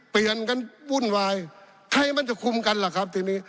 เปลี่ยนกันวุ่นวายใครมันจะคุมกันล่ะครับทีนี้